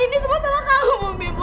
ini semua salah kamu bimo